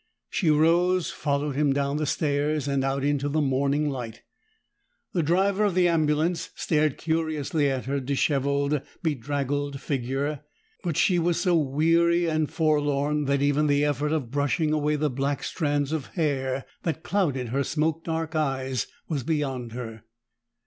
She rose, followed him down the stairs and out into the morning light. The driver of the ambulance stared curiously at her dishevelled, bedraggled figure, but she was so weary and forlorn that even the effort of brushing away the black strands of hair that clouded her smoke dark eyes was beyond her.